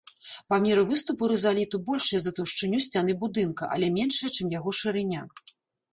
Памеры выступу рызаліту большыя за таўшчыню сцяны будынка, але меншыя, чым яго шырыня.